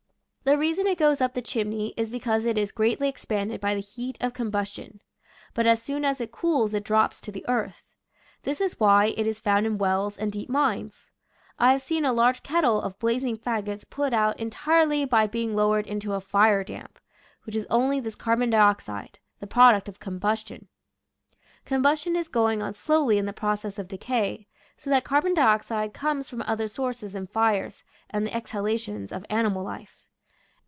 The reason it goes up the chimney is because it is greatly expanded by the heat of combustion. But as soon as it cools it drops to the earth. This is why it is found in wells and deep mines. I have seen a large kettle of blazing fagots put out entirely by being lowered into a " fire damp," which is only this carbon dioxide, the product of combustion. Com bustion is going on slowly in the process of decay, so that carbon dioxide comes from other sources than fires and the exhalations of animal life.